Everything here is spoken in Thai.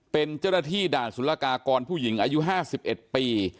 เป็นเจ้าหน้าที่ด่านสุรกากรผู้หญิงอายุ๕๑ปี